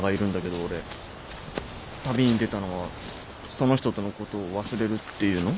旅に出たのはその人とのことを忘れるっていうの？